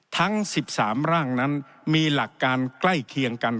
ทั้ง๑๓ร่างนั้นมีหลักการใกล้เคียงกัน